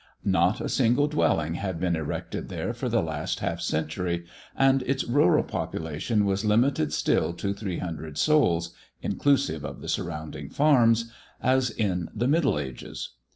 Not a single dwelling had been > erected there for the last half century, and its rural popula tion was limited still to three hundred souls (inclusive of the surrounding farms), as in the Middle Ages.